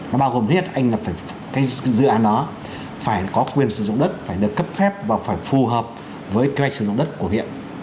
nó bao gồm hết cái dự án đó phải có quyền sử dụng đất phải được cấp phép và phải phù hợp với kế hoạch sử dụng đất của hiện